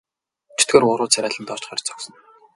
Чөтгөр уруу царайлан доош харж зогсоно.